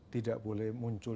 tidak boleh muncul